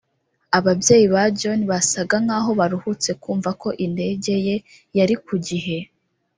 ababyeyi ba john basaga nkaho baruhutse kumva ko indege ye yari ku gihe